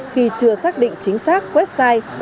khi chưa xác định chính xác website